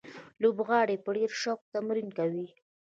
لوبغاړي په ډېر شوق تمرین کوي.